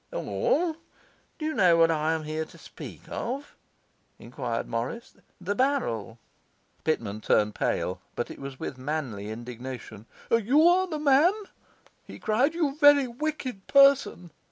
'All? Do you know what I am here to speak of?' enquired Morris . 'The barrel.' Pitman turned pale, but it was with manly indignation. 'You are the man!' he cried. 'You very wicked person.